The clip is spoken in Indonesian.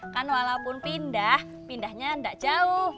kan walaupun pindah pindahnya tidak jauh